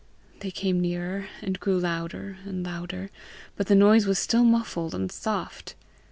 They came nearer and grew louder and louder, but the noise was still muffled and soft.